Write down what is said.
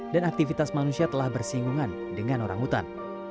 dan aktivitas manusia telah bersinggungan dengan orangutan